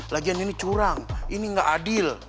lagian ini curang ini nggak adil